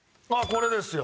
これですよ。